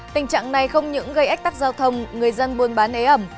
tình trạng này không những gây ách tắc giao thông người dân buôn bán ế ẩm